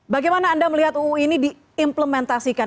bagaimana anda melihat ruu ini diimplementasikan